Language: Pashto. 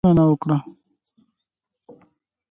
همدرد هم وینا وکړه.